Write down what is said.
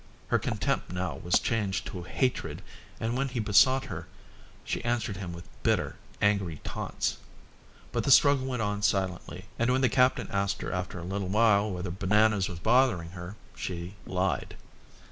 Her contempt now was changed to hatred and when he besought her she answered him with bitter, angry taunts. But the struggle went on silently, and when the captain asked her after a little while whether Bananas was bothering her, she lied.